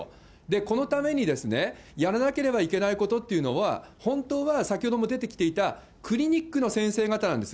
このためにやらなければいけないことっていうのは、本当は、先ほども出てきていた、クリニックの先生方なんです。